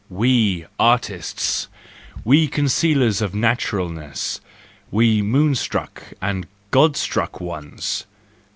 We artists! We con¬ cealers of naturalness! We moon struck and God struck ones!